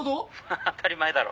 当たり前だろ。